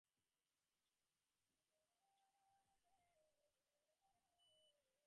কেবল শ্রী নয়, শক্তি।